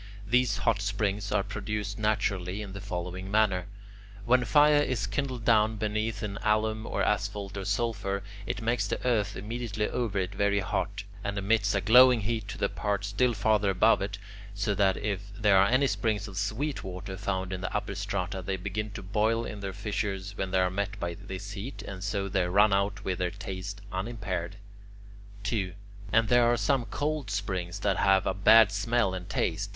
These hot springs are produced naturally, in the following manner. When fire is kindled down beneath in alum or asphalt or sulphur, it makes the earth immediately over it very hot, and emits a glowing heat to the parts still farther above it, so that if there are any springs of sweet water found in the upper strata, they begin to boil in their fissures when they are met by this heat, and so they run out with their taste unimpaired. 2. And there are some cold springs that have a bad smell and taste.